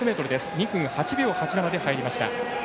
２分８秒８７で入りました。